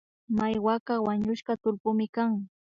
Maiwaka wañushka tullpuymi kan